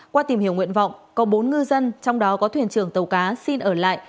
qua tìm hiểu nguyện vọng có bốn ngư dân trong đó có thuyền trưởng tàu cá xin ở lại